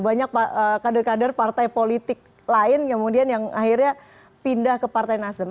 banyak kader kader partai politik lain kemudian yang akhirnya pindah ke partai nasdem